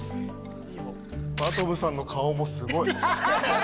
真飛さんの顔もすごい。